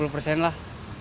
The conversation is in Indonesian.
tujuh puluh persen lah